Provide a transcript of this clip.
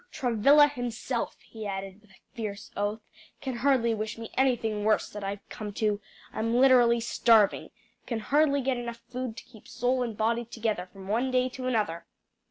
Travilla himself," he added, with a fierce oath, "can hardly wish me anything worse than I've come to. I'm literally starving can hardly get enough food to keep soul and body together from one day to another."